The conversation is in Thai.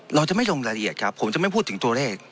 เราจะไม่ลงรายละเอียดครับผมจะไม่พูดถึงตัวเลข